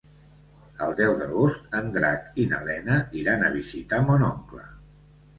El deu d'agost en Drac i na Lena iran a visitar mon oncle.